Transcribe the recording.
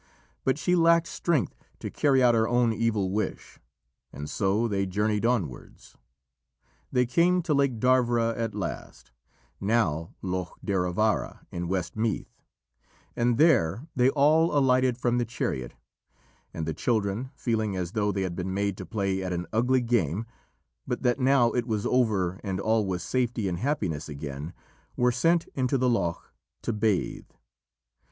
But she lacked strength to carry out her own evil wish, and so they journeyed onwards. They came to Lake Darvra at last now Lough Derravaragh, in West Meath and there they all alighted from the chariot, and the children, feeling as though they had been made to play at an ugly game, but that now it was over and all was safety and happiness again, were sent into the loch to bathe.